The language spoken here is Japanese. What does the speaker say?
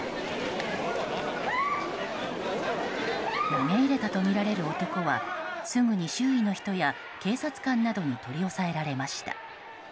投げ入れたとみられる男はすぐに周囲の人や警察官などに取り押さえられました。